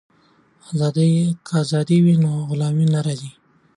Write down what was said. که ازادي وي نو غلامي نه راځي.